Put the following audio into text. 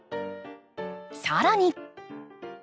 さらに。